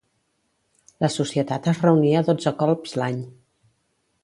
La Societat es reunia dotze colps l'any.